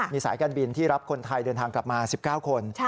มีสายการบินที่รับคนไทยเดินทางกลับมา๑๙คน